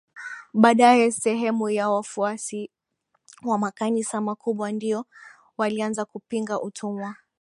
baadaye sehemu ya wafuasi wa makanisa makubwa ndio walianza kupinga utumwa